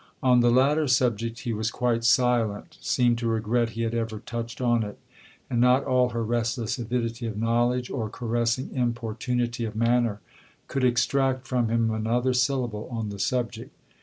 On the latter subject he was quite silent, seemed to regret he had ever touched on it, and not all her restless avidity of knowledge, or caressing importunity of manner, could extract from him another syllable on the subject.